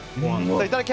いただき！